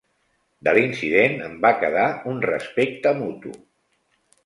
De l'incident en va quedar un respecte mutu.